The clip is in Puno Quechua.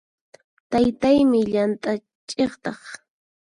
Taytaymi llant'a ch'iqtaq.